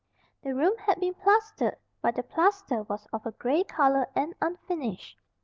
The room had been plastered, but the plaster was of a gray color and unfinished.